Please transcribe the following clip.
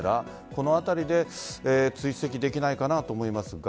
このあたりで追跡できないかなと思いますが。